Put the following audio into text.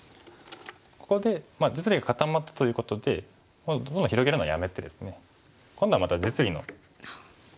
ここで実利が固まったということでもうどんどん広げるのはやめてですね今度はまた実利の。